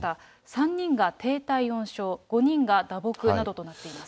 ３人が低体温症、５人が打撲などとなっています。